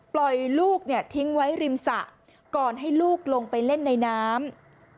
ปล่อยลูกทิ้งไว้ริมสระก่อนให้ลูกลงไปเล่นในน้ำ